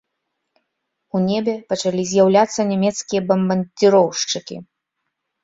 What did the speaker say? У небе пачалі з'яўляцца нямецкія бамбардзіроўшчыкі.